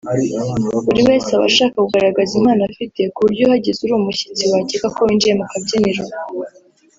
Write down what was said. buri wese aba ashaka kugaragaza impano afite ku buryo uhageze uri umushyitsi wakeka ko winjiye mu kabyiniro